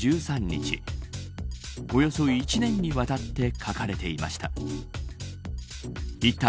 およそ１年にわたって書かれていました。